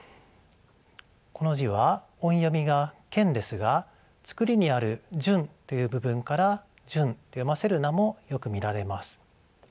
この字は音読みが「ケン」ですがつくりにある「旬」という部分から「ジュン」と読ませる名もよく見られます。